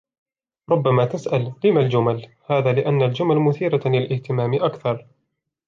ربما تسأل ، لمَ الجمل ؟ هذا لأن الجمل مثيرة للاهتمام أكثر.